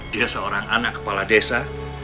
dia seorang anak kepala desa